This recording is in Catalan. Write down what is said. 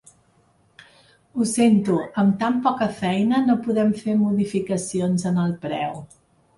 Ho sento, amb tan poca feina no podem fer modificacions en el preu.